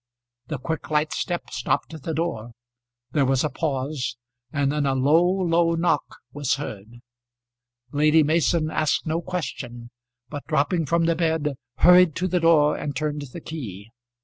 The quick light step stopped at the door, there was a pause, and then a low, low knock was heard. Lady Mason asked no question, but dropping from the bed hurried to the door and turned the key.